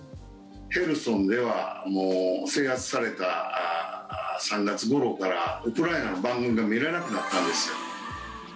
ヘルソンではもう制圧された３月ごろからウクライナの番組が見られなくなったんですよ。